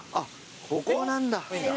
ここなんだ。